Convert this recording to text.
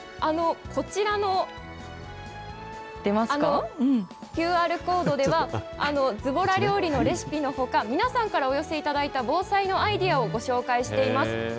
こちらのＱＲコードでは、ずぼら料理のレシピのほか、皆さんからお寄せいただいた防災のアイデアをご紹介しています。